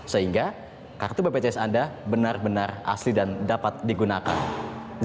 sehingga kartu bpjs anda benar benar asli dan dapat digunakan